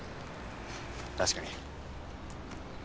確かに。